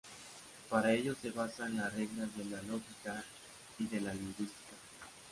Para ello se basa en las reglas de la lógica y de la lingüística.